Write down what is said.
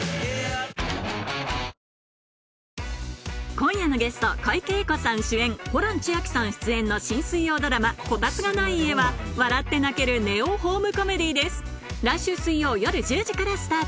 今夜のゲスト小池栄子さん主演ホラン千秋さん出演の新水曜ドラマ『コタツがない家』は笑って泣けるネオ・ホームコメディーです来週水曜夜１０時からスタート！